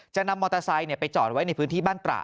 นำมอเตอร์ไซค์ไปจอดไว้ในพื้นที่บ้านตระ